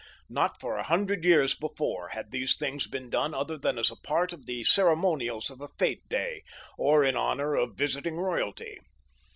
Not for a hundred years before had these things been done other than as a part of the ceremonials of a fete day, or in honor of visiting royalty.